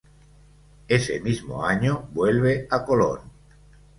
Ese mismo año vuelve a Colón.